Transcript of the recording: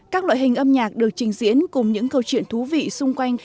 các loại hình âm nhạc được trình diễn cùng những câu chuyện thú vị xung quanh